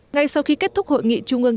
ngay sau khi kết thúc hội nghị trung ương